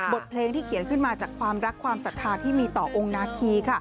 บทเพลงที่เขียนขึ้นมาจากความรักความศรัทธาที่มีต่อองค์นาคี